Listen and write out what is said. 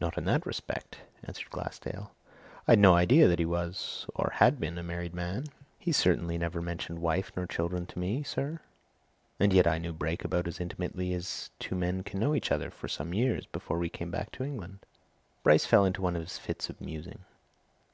"Not in that respect," answered Glassdale. "I'd no idea that he was or had been a married man. He certainly never mentioned wife nor children to me, sir, and yet I knew Brake about as intimately as two men can know each other for some years before we came back to England." Bryce fell into one of his fits of musing.